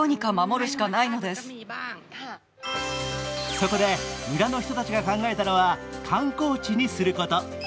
そこで村の人たちが考えたのは観光地にすること。